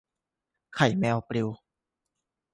ไข่แมวปลิว